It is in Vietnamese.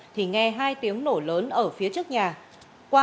thì nghe hai tiếng nổ lớn ở phía trước nhà